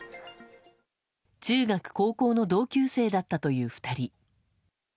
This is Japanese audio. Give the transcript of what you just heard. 中学、高校の同級生だったという２人。